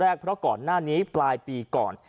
นานนี้ปลายปีก่อน